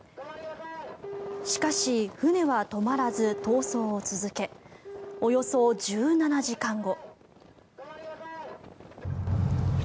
しかし、船は止まらず逃走を続けおよそ１７時間後。